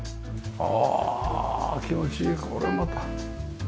ああ気持ちいいこれまた。